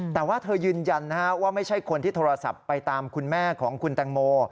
แต่ว่าเธอยืนยันว่าไม่ใช่คนที่โทรศัพท์ไปตามคุณแม่ของคุณแตงโม